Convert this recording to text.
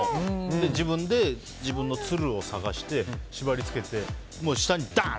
自分で、自分のつるを探して縛りつけて、下にダーン！